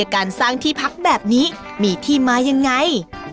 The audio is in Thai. การสร้างที่พักแบบนี้มีที่มายังไง